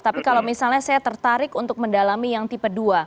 tapi kalau misalnya saya tertarik untuk mendalami yang tipe dua